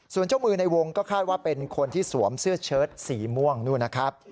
ส่วนเจ้ามือในวงก็คาดว่าเป็นคนที่สวมเสื้อเชิดสีม่วงนู่นนะครับ